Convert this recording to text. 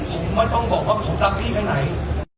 ผมไม่ต้องบอกว่าผมรักพี่แค่ไหน